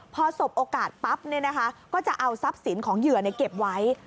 พอสบโอกาสปั๊บก็จะเอาทรัพย์สินของเหยื่อเก็บไว้